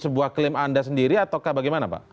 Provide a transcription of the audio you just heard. sebuah klaim anda sendiri ataukah bagaimana pak